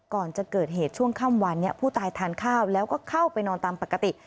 ก่อนจะเกิดเหตุช่วงค่ำวันนี้ผู้ตายทานข้าวแล้วก็เข้าไปนอนตามปกติ